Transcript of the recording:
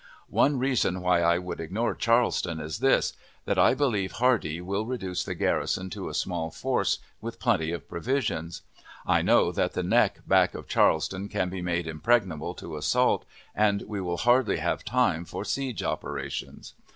One reason why I would ignore Charleston is this: that I believe Hardee will reduce the garrison to a small force, with plenty of provisions; I know that the neck back of Charleston can be made impregnable to assault, and we will hardly have time for siege operations.